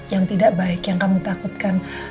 yang tidak baik yang kami takutkan